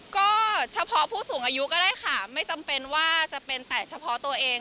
ก็เฉพาะผู้สูงอายุก็ได้ค่ะไม่จำเป็นว่าจะเป็นแต่เฉพาะตัวเอง